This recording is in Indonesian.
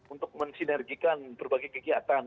untuk mensinergikan berbagai kegiatan